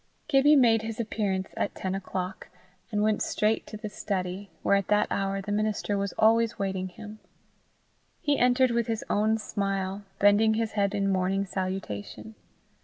Gibbie made his appearance at ten o'clock, and went straight to the study, where at that hour the minister was always waiting him. He entered with his own smile, bending his head in morning salutation.